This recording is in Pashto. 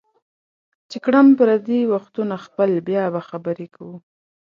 چې کړم پردي وختونه خپل بیا به خبرې کوو